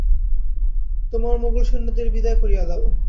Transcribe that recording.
তোমার মোগলেৈসন্যদের বিদায় করিয়া দাও।